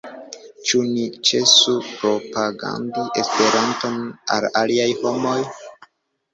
Ĉu ni ĉesu propagandi Esperanton al aliaj homoj?